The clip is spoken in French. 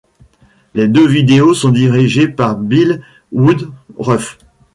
Les deux vidéos sont dirigées par Bille Woodruff.